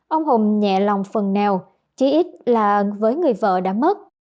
ông hùng nhẹ lòng phần nào chỉ ít là với người vợ đã mất